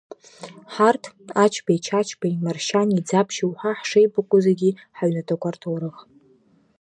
Ҳарҭ, Ачбеи-Чачбеи, Маршьани-Ӡаԥшьи уҳәа, ҳшеибакәу зегьы ҳаҩнаҭақәа рҭоурых…